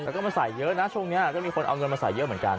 แต่ก็มาใส่เยอะนะช่วงนี้ก็มีคนเอาเงินมาใส่เยอะเหมือนกัน